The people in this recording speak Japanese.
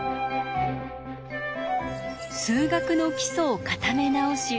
数学の基礎を固め直し